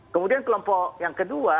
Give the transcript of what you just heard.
kemudian kelompok yang kedua